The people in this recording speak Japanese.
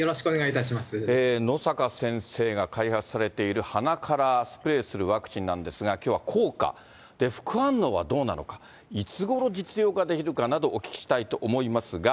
野阪先生が開発されている鼻からスプレーするワクチンなんですが、きょうは効果、副反応はどうなのか、いつごろ実用化できるかなど、お聞きしたいと思いますが。